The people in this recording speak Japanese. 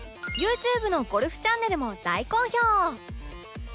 ＹｏｕＴｕｂｅ のゴルフチャンネルも大好評